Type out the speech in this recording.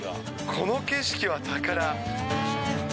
この景色は宝。